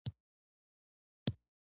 اکسفام نابرابرۍ رتبه کې نیوکې مني.